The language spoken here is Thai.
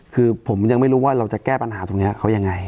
คือผมยังไม่รู้ว่าเราจะแก้ปัญหาตรงนี้เขายังไง